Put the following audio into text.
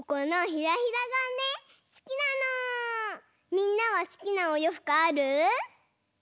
みんなはすきなおようふくある？